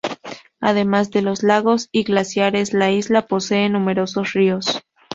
Además de los lagos y glaciares, la isla posee numerosos ríos.